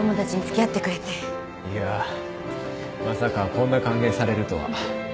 いやまさかこんな歓迎されるとは。